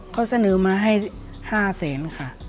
เขาเสนอมาให้๕แสนค่ะ